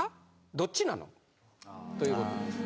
どっちなの？」という事です。